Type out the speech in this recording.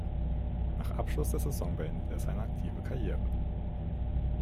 Nach Abschluss der Saison beendete er seine aktive Karriere.